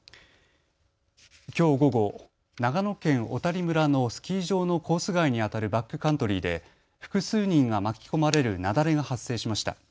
きょう午後、長野県小谷村のスキー場のコース外にあたるバックカントリーで複数人が巻き込まれる雪崩が発生しました。